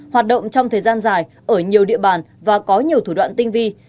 hoạt động trong thời gian dài ở nhiều địa bàn và có nhiều thủ đoạn tinh vi